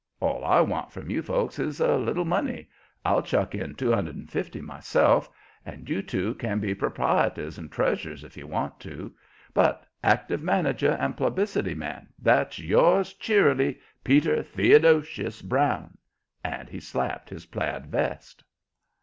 All I want from you folks is a little money I'll chuck in two hundred and fifty myself and you two can be proprietors and treasurers if you want to. But active manager and publicity man that's yours cheerily, Peter Theodosius Brown!" And he slapped his plaid vest.